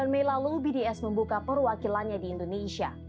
sembilan mei lalu bds membuka perwakilannya di indonesia